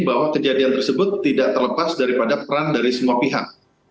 bahwa kejadian tersebut tidak terlepas daripada peran dari semua pihak